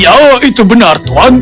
ya itu benar tuan